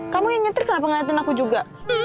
kamu yang nyetrik kenapa ngeliatin aku juga